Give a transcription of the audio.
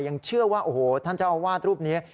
ยังเชื่อว่าโอ้โหท่านเจ้าอาวาสรูปนี้